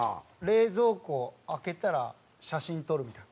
冷蔵庫開けたら写真撮るみたいな。